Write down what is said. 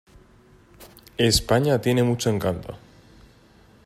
España tiene mucho encanto.